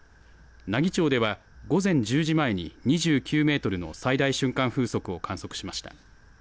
奈義町では午前１０時前に２９メートルの最大瞬間風速を観測しました。